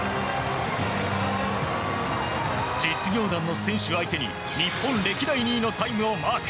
実業団の選手相手に日本歴代２位のタイムをマーク。